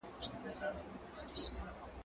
زه اوس سبزیحات تياروم؟!